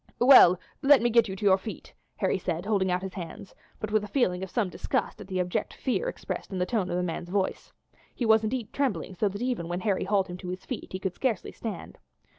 "Well, let me get you to your feet," Harry said, holding out his hands, but with a feeling of some disgust at the abject fear expressed in the tones of the man's voice. He was indeed trembling so that even when Harry hauled him to his feet he could scarcely stand.